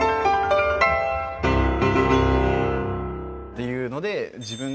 っていうので。